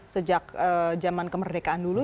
sejak zaman kemerdekaan dulu